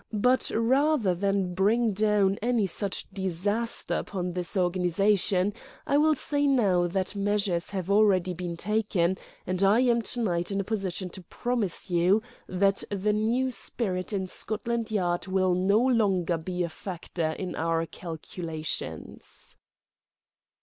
But rather than bring down any such disaster upon this organization, I will say now that measures have already been taken, and I am to night in a position to promise you that the new spirit in Scotland Yard will no longer be a factor in our calculations."